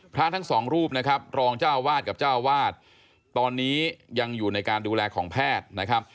พระทั้งสองรูปนะครับรองเจ้าวาดกับเจ้าวาดตอนนี้ยังอยู่ในการดูแลของแพทย์นะครับ